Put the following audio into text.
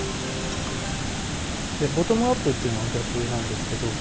ボトムアップっていうのは逆なんですけど。